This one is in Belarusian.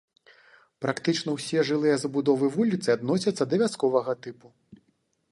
Практычна ўсе жылыя забудовы вуліцы адносяцца да вясковага тыпу.